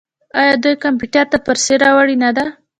آیا دوی کمپیوټر ته فارسي راوړې نه ده؟